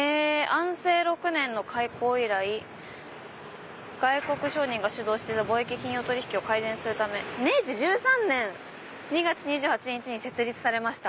「安政６年の開港以来外国商人が主導していた貿易金融取引を改善するため明治１３年２月２８日に設立されました」。